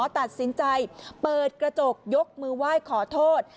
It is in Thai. ตัดสินใจเปิดกระจกยกมือไหว้ขอโทษ